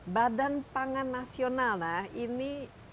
badan pangan nasional ini